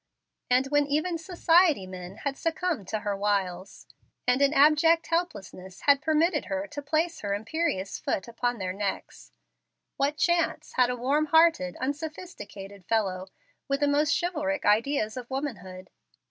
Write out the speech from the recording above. And when even society men had succumbed to her wiles, and in abject helplessness had permitted her to place her imperious foot upon their necks, what chance had a warm hearted, unsophisticated fellow, with the most chivalric ideas of womanhood?